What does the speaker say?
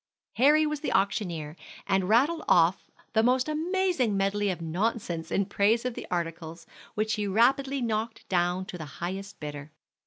Harry was auctioneer, and rattled off the most amazing medley of nonsense in praise of the articles, which he rapidly knocked down to the highest bidder.